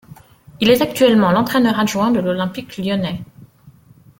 Il est actuellement l'entraîneur adjoint de l'Olympique lyonnais.